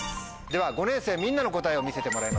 では５年生みんなの答えを見せてもらいましょう。